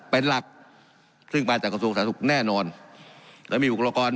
เป็นหลักซึ่งลายจากข้อส่วนสาธุแน่นอนแต่มีบุคลากร